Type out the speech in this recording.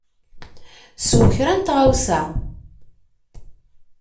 Sew kra n tɣawsa.